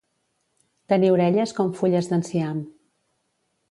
Tenir orelles com fulles d'enciam.